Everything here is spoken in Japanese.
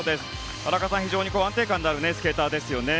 荒川さん、非常に安定感のあるスケーターですよね。